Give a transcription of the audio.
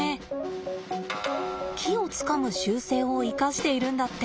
木をつかむ習性を生かしているんだって。